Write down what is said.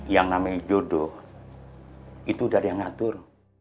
yang namanya jodoh itu udah ada yang ngatur